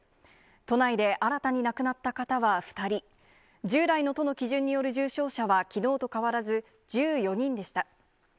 都内で新たに亡くなった方は２人、従来の都の基準による重症者はきのうと変わらず、１４人でした。